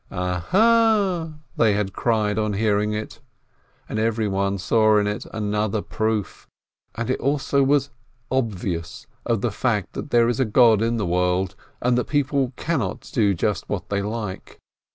"Aha !" they had cried on hearing of it, and everyone saw in it another proof, and it also was "obvious" — of the fact that there is a God in the world, and that people cannot do just what they like.